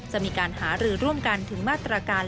จะมีการหารือร่วมกันถึงมาตรการ